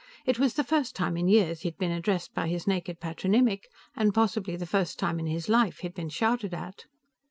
It was the first time in years he had been addressed by his naked patronymic, and possibly the first time in his life he had been shouted at.